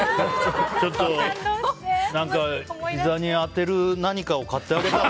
ちょっと、ひざに当てる何かを買ってあげたら？